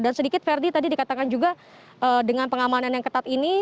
dan sedikit verdi tadi dikatakan juga dengan pengamanan yang ketat ini